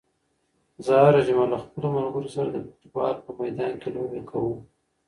زه هره جمعه له خپلو ملګرو سره د فوټبال په میدان کې لوبې کوم.